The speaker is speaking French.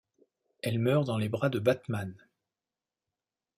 Elle meurt dans les bras de Batman.